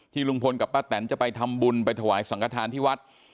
ลุงพลกับป้าแตนจะไปทำบุญไปถวายสังกฐานที่วัด